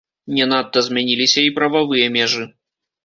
Не надта змяніліся і прававыя межы.